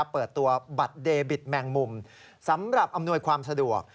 เปิดตัวบัตรเดบิตแมงมุมสำหรับอำนวยความสะดวก